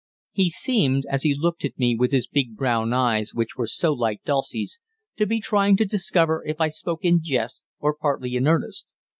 He seemed, as he looked at me with his big brown eyes which were so like Dulcie's, to be trying to discover if I spoke in jest or partly in earnest.